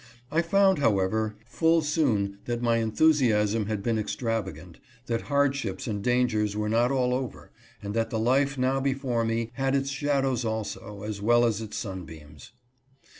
I found, however, full soon that my enthusiasm had been extravagant, that hardships and dangers were not all over, and that the life now before me had its shadows also, as well as its sunbeams.